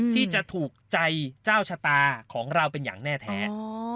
ที่จะถูกใจเจ้าชะตาของเราเป็นอย่างแน่แท้